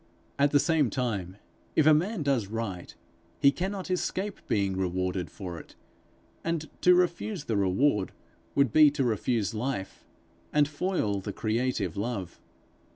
At the same time, if a man does right, he cannot escape being rewarded for it; and to refuse the reward, would be to refuse life, and foil the creative love.